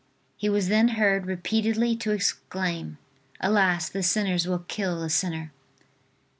He was then heard repeatedly to exclaim: "Alas, the sinners will kill the sinner."